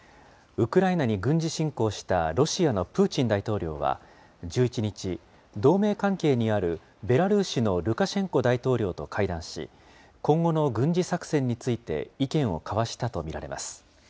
ウクライナに軍事侵攻したロシアのプーチン大統領は、１１日、同盟関係にあるベラルーシのルカシェンコ大統領と会談し、今後の軍事作戦について意見を交わしたと見られます。